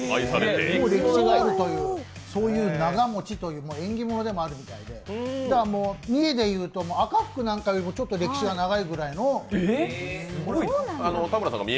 歴史があるというそういう、なが餅という縁起物でもあるみたいで、三重で言うと赤福なんかよりもちょっと歴史が長いぐらいの。